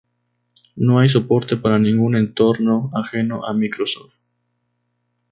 No hay soporte para ningún entorno ajeno a Microsoft.